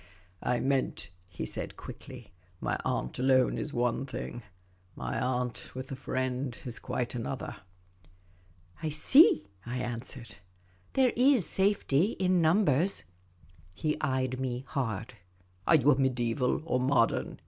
" I meant," he said, quickly, " my aunt alone is one thing; my aunt with a friend is quite another." " I see," I answered, " There is safety in numbers." He eyed me hard. *' Are you mediaeval or modern